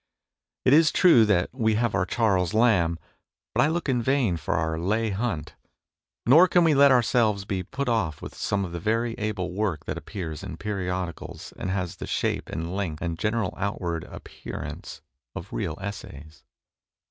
It is true that we have our Charles Lamb, but I look in vain for our Leigh Hunt. Nor can we let ourselves be put off with some of the very able work that appears in periodicals, and has the shape and length and general outward ap THE DECAY OF THE ESSAY 15 pearance of real essays.